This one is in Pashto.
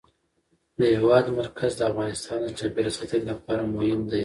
د هېواد مرکز د افغانستان د چاپیریال ساتنې لپاره مهم دي.